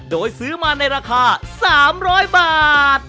โดยซื้อมาในราคา๓๐๐บาท